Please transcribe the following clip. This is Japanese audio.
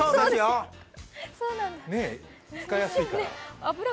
ね、使いやすいから。